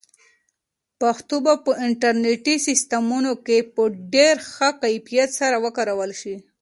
پښتو به په انټرنیټي سیسټمونو کې په ډېر ښه کیفیت سره وکارول شي.